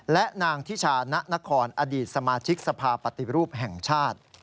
และนางทิชาณนครอดีตสมาชิกสภาปฏิรูปแห่งชาติ